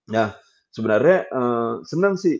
nah sebenarnya senang sih